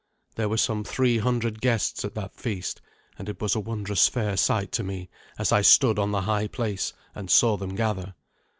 There were some three hundred guests at that feast, and it was a wondrous fair sight to me as I stood on the high place and saw them gather.